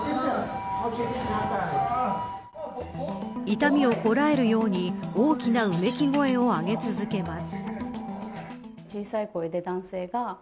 痛みをこらえるように大きなうめき声を上げ続けます。